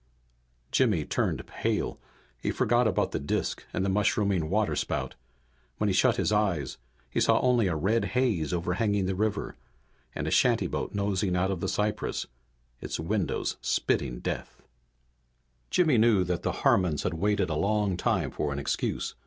Jimmy turned pale. He forgot about the disk and the mushrooming water spout. When he shut his eyes he saw only a red haze overhanging the river, and a shantyboat nosing out of the cypresses, its windows spitting death. Jimmy knew that the Harmons had waited a long time for an excuse.